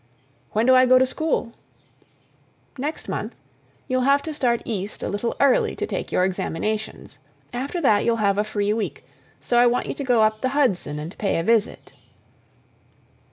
"When do I go to school?" "Next month. You'll have to start East a little early to take your examinations. After that you'll have a free week, so I want you to go up the Hudson and pay a visit."